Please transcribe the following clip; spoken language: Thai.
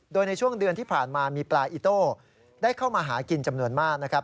โดยในช่วงเดือนที่ผ่านมามีปลาอิโต้ได้เข้ามาหากินจำนวนมากนะครับ